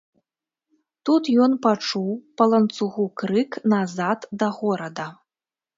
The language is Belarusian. Тут ён пачуў па ланцугу крык назад да горада.